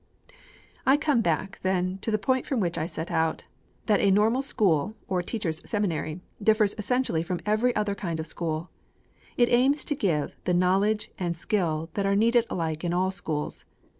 I come back, then, to the point from which I set out, namely, that a Normal School, or Teachers' Seminary, differs essentially from every other kind of school. It aims to give the knowledge and skill that are needed alike in all schools.